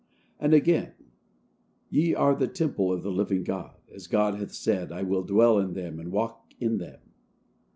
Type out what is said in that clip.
And again, "Ye are the temple of the living God; as God hath said, I will dwell in them and walk in them."